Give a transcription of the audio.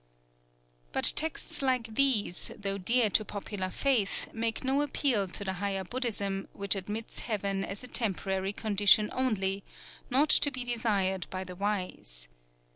'_" But texts like these, though dear to popular faith, make no appeal to the higher Buddhism, which admits heaven as a temporary condition only, not to be desired by the wise.